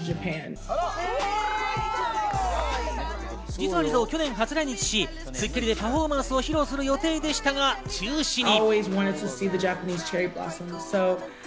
実はリゾ、去年初来日し『スッキリ』でパフォーマンスを披露する予定でしたが中止に。